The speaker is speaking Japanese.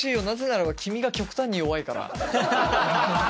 なぜならば君が極端に弱いから。